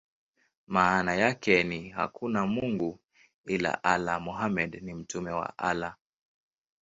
Maana yake ni: "Hakuna mungu ila Allah; Muhammad ni mtume wa Allah".